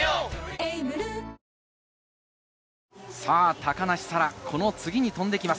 高梨沙羅、この次に飛んでいきます。